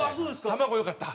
卵よかった？